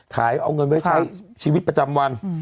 เอาเงินไว้ใช้ชีวิตประจำวัน